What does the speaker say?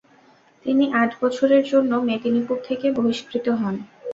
তিনি আট বছরের জন্য মেদিনীপুর থেকে বহিষ্কৃত হন।